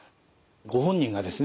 ご本人がですね